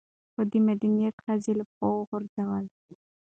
خو دې مدنيت ښځه له پښو وغورځوله